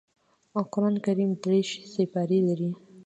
قران کريم دېرش سپاري لري